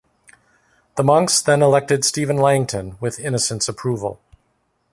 The monks then elected Stephen Langton, with Innocent's approval.